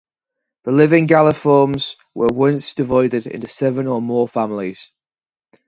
The living Galliformes were once divided into seven or more families.